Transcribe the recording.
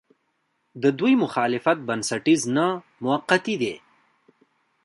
د دوی مخالفت بنسټیز نه، موقعتي دی.